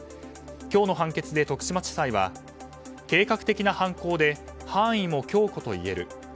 今日の判決で徳島地裁は計画的な犯行で犯意も強固と言える。